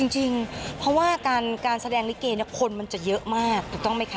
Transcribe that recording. จริงเพราะว่าการแสดงลิเกคนมันจะเยอะมากถูกต้องไหมคะ